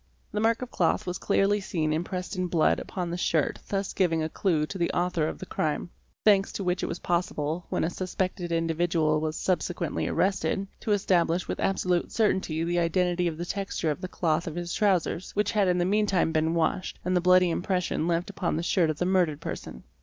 The mark of cloth was clearly seen impressed in blood upon the shirt thus giving a clue to the author of the crime; thanks to which it was possible, when a suspected indi vidual was subsequently arrested, to establish with absolute certainty the identity of the texture of the cloth of his trousers, which had in the meantime been washed, and the bloody impression left upon the shirt of the murdered person.